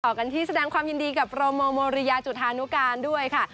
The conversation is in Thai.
ขอขอบคุณที่แสดงความยินดีกับโปรโมโมเรียจุธานุกาลด้วยค่ะ